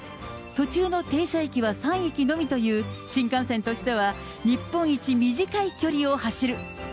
途中の停車駅は３駅のみという、新幹線としては日本一短い距離を走る。